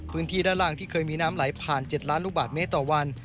พื้นที่ด้านล่างที่เคยมีน้ำไหลผ่าน๗ล้านลูกบาทเมตรต่อวัน